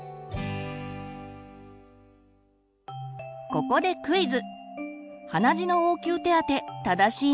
ここでクイズ。